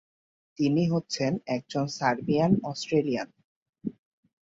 তিনি হচ্ছেন একজন সার্বিয়ান-অস্ট্রেলিয়ান।